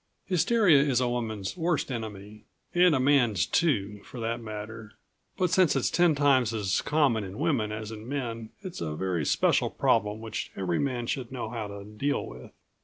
Hysteria is a woman's worst enemy ... and a man's too, for that matter. But since it's ten times as common in women as in men it's a very special problem which every man should know how to deal with.